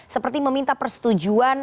seperti meminta persetujuan